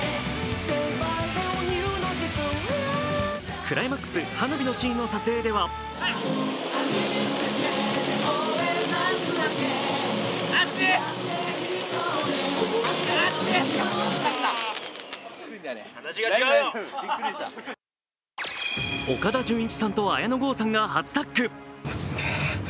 クライマックス、花火のシーンの撮影では岡田准一さんと綾野剛さんが初タッグ。